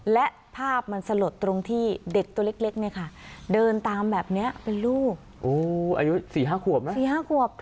และภาพมันสลดตรงที่เด็กตัวเล็กเนี่ยค่ะเดินตามแบบนี้เป็นลูก